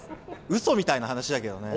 うそみたいな話だけどね。